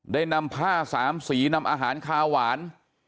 ได้นำผ้าสามสีนำอาหารคาหวาน